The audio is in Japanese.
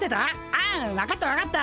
あ分かった分かった。